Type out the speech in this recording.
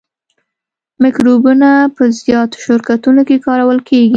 مکروبونه په زیاتو شرکتونو کې کارول کیږي.